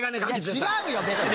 違うよ別に。